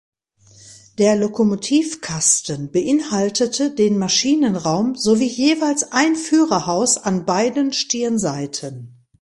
Der Lokomotivkasten beinhaltete den Maschinenraum sowie jeweils ein Führerhaus an beiden Stirnseiten.